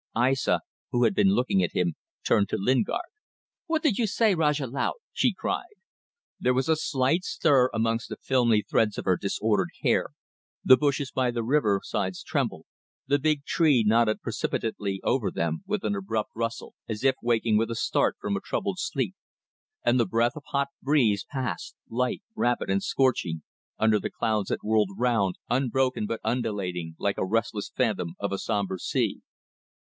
Aissa, who had been looking at him, turned to Lingard. "What did you say, Rajah Laut?" she cried. There was a slight stir amongst the filmy threads of her disordered hair, the bushes by the river sides trembled, the big tree nodded precipitately over them with an abrupt rustle, as if waking with a start from a troubled sleep and the breath of hot breeze passed, light, rapid, and scorching, under the clouds that whirled round, unbroken but undulating, like a restless phantom of a sombre sea.